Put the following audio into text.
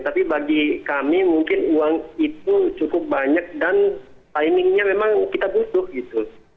tapi bagi kami mungkin uang itu cukup banyak dan timingnya memang kita butuh gitu